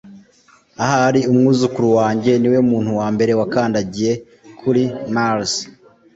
ahari umwuzukuru wanjye niwe muntu wambere wakandagiye kuri mars